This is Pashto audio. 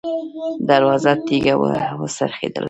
دروازه تېزه وڅرخېدله.